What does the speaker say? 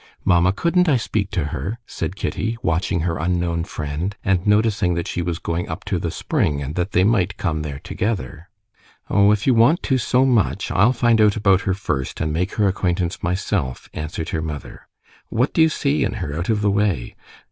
"Mamma, couldn't I speak to her?" said Kitty, watching her unknown friend, and noticing that she was going up to the spring, and that they might come there together. "Oh, if you want to so much, I'll find out about her first and make her acquaintance myself," answered her mother. "What do you see in her out of the way?